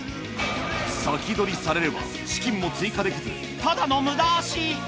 先取りされれば資金も追加できずただの無駄足。